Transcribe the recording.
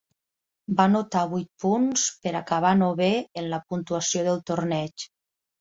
Va anotar vuit punts per acabar novè en la puntuació del torneig.